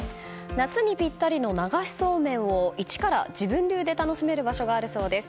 夏にぴったりの流しそうめんを一から、自分流で楽しめる場所があるそうです。